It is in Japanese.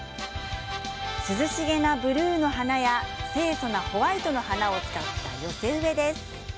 涼しげなブルーの花や清そなホワイトの花を使った寄せ植えです。